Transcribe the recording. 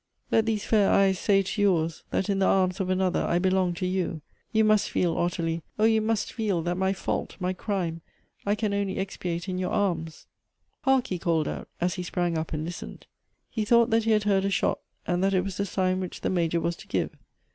Let these fair eyes say 278 G O E T H B ' s to yours, that in the arms of another I belong to you. You must feel, Ottilie, oh ! you must feel, that my fault, my crime, I can only expiate in your arms." " Hark !" he called out, as he sprang up and listened. He thought that he had heard a shot, and that it was the sign which the Major was to give.